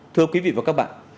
thưa quý vị và các bạn